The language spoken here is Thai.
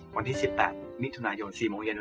วันที่๑๘มิถุนายน๔โมงเย็น